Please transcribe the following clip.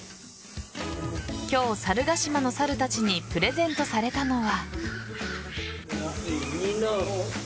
今日、猿ヶ島の猿たちにプレゼントされたのは。